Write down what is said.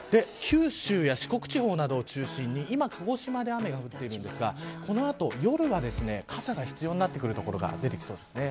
九州や四国地方などを中心に今、鹿児島で雨が降っているんですがこの後、夜は傘が必要になってくる所が出てきそうです。